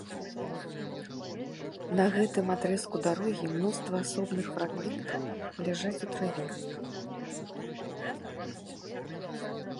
На гэтым адрэзку дарогі мноства асобных фрагментаў ляжаць у траве.